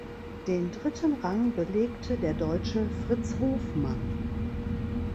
Den dritten Rang belegte der Deutsche Fritz Hofmann.